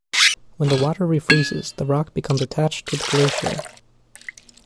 When the water refreezes, the rock becomes attached to the glacier.